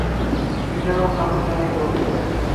پنڊرو ڪم ڪري دو۔